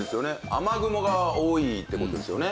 雨雲が多いって事ですよね。